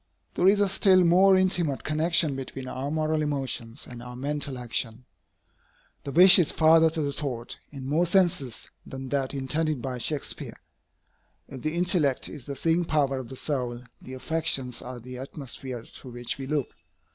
There is a still more intimate connection between our moral emotions and our mental action. The wish is father to the thought, in more senses than that intended by Shakspeare. If the intellect is the seeing power of the soul, the affections are the atmosphere through which we look.